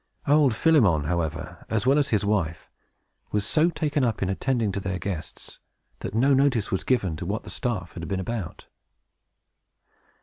Old Philemon, however, as well as his wife, was so taken up in attending to their guests, that no notice was given to what the staff had been about.